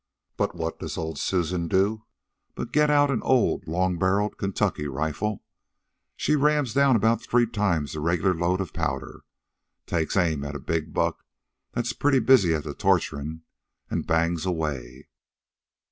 But what does old Susan do, but get out an old, long barreled Kentucky rifle. She rams down about three times the regular load of powder, takes aim at a big buck that's pretty busy at the torturin', an' bangs away.